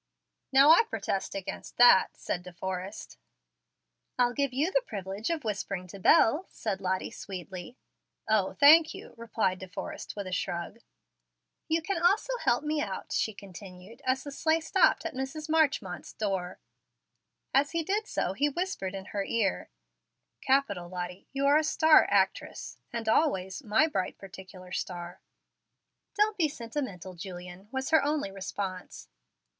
"Now I protest against that," said De Forrest. "I'll give you the privilege of whispering to Bel," said Lottie, sweetly. "O, thank you," replied De Forrest, with a shrug. "You can also help me out," she continued, as the sleigh stopped at Mrs. Marchmont's door. As he did so he whispered in her ear, "Capital, Lottie, you are a star actress, and always my bright particular star." "Don't be sentimental, Julian," was her only response.